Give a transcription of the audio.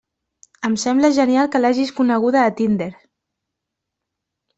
Em sembla genial que l'hagis coneguda a Tinder!